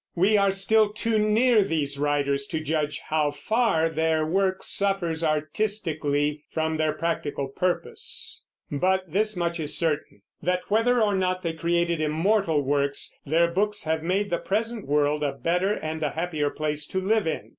We are still too near these writers to judge how far their work suffers artistically from their practical purpose; but this much is certain, that whether or not they created immortal works, their books have made the present world a better and a happier place to live in.